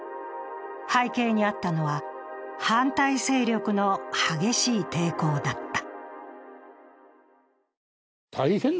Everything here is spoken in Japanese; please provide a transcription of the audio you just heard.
背景にあったのは、反対勢力の激しい抵抗だった。